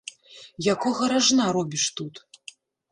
Якога ражна робіш тут?